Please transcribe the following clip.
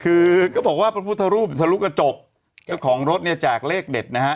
คือก็บอกว่าพระพุทธรูปทะลุกระจกเจ้าของรถเนี่ยแจกเลขเด็ดนะฮะ